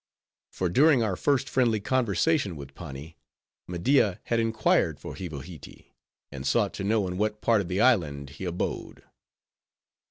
For, during our first friendly conversation with Pani, Media had inquired for Hivohitee, and sought to know in what part of the island he abode.